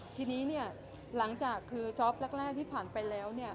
ทีนี้เนี่ยหลังจากคือจ๊อปแรกที่ผ่านไปแล้วเนี่ย